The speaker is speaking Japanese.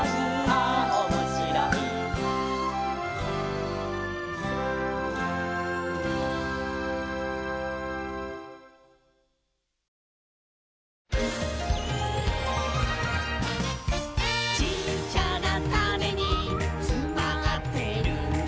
「ああおもしろい」「ちっちゃなタネにつまってるんだ」